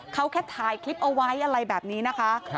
เขาแค่ถ่ายคลิปเอาไว้อะไรแบบนี้นะคะ